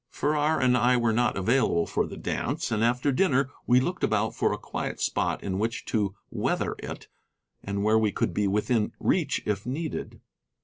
Farrar and I were not available for the dance, and after dinner we looked about for a quiet spot in which to weather it, and where we could be within reach if needed.